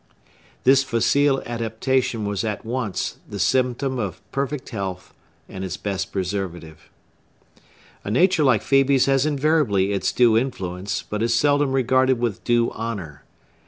This facile adaptation was at once the symptom of perfect health and its best preservative. A nature like Phœbe's has invariably its due influence, but is seldom regarded with due honor.